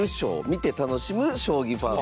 観て楽しむ将棋ファン。